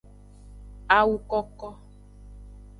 Awu koko.